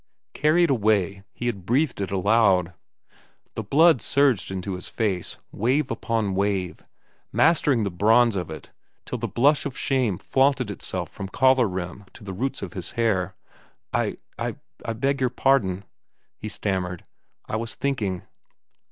Carried away, he had breathed it aloud. The blood surged into his face, wave upon wave, mastering the bronze of it till the blush of shame flaunted itself from collar rim to the roots of his hair. "I—I—beg your pardon," he stammered. "I was thinking."